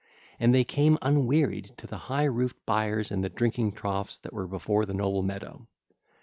And they came unwearied to the high roofed byres and the drinking troughs that were before the noble meadow.